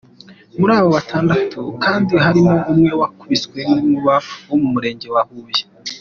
Muri abo batandatu kandi harimo umwe wakubiswe n’inkuba wo mu Murenge wa Huye.